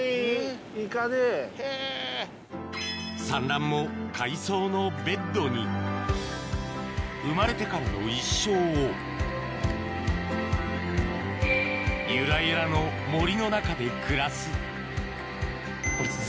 産卵も海藻のベッドに生まれてからの一生をユラユラの森の中で暮らすこいつ。